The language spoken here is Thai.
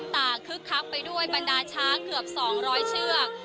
คึกคักไปด้วยบรรดาช้างเกือบ๒๐๐เชือก